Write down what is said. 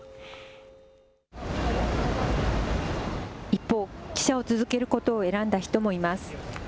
一方、記者を続けることを選んだ人もいます。